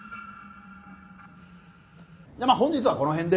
まあ本日はこの辺で。